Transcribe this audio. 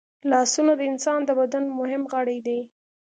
لاسونه د انسان د بدن مهم غړي دي